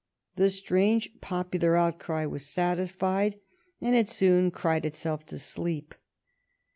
The strange popular outcry was satisfied, and it soon cried itself to sleep.